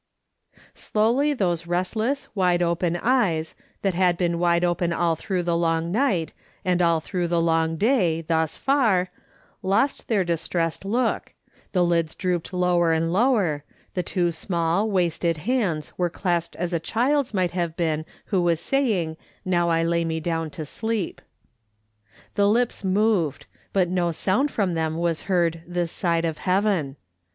Slowly those restless, wide open eyes, that had been wide open all through the long night, and all through the long day, thus far, lost their dis tressed look, the lids drooped lower and lower, the WE FEARED, WE HOPED, WE TREMBLED. 173 two small, wasted hands were clasped as a child's might have been who was saying —" Now I lay me down to sleep." The lips moved, but no sound from them was heard this side heaven.